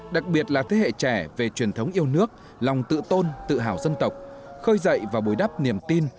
đặc biệt là thế hệ trẻ về truyền thống yêu nước lòng tự tôn tự hào dân tộc khơi dậy và bối đắp niềm tin